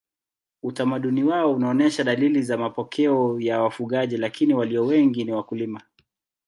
Utamaduni wao unaonyesha dalili za mapokeo ya wafugaji lakini walio wengi ni wakulima.